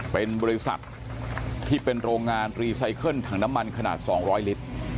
เป็นบริษัทที่เป็นโรงงานรีไซเคิลถังน้ำมันขนาด๒๐๐ลิตร